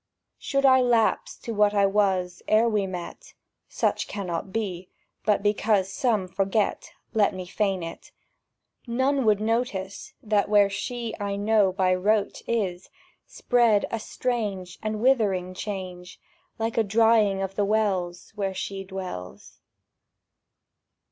Should I lapse to what I was Ere we met; (Such can not be, but because Some forget Let me feign it)—none would notice That where she I know by rote is Spread a strange and withering change, Like a drying of the wells Where she dwells.